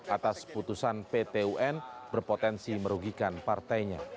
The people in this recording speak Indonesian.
atas putusan ptun berpotensi merugikan partainya